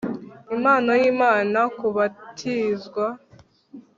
impano y imana kubatizwa